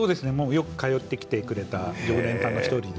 よく通ってくれた常連さんの１人で。